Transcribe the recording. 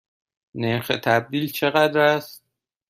نرخ تبدیل چقدر است؟